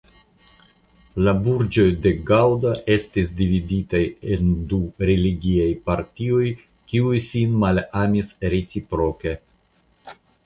La burĝoj de Gaŭda estis dividitaj en du religiaj partioj, kiuj sin malamis reciproke.